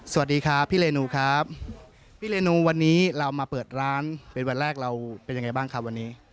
สวัสดีครับพี่เรนูครับพี่เรนูวันนี้เรามาเปิดร้านเป็นวันแรกเราเป็นยังไงบ้างครับวันนี้